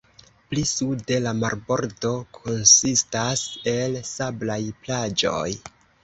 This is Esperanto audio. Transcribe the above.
Pli sude la marbordo konsistas el sablaj plaĝoj.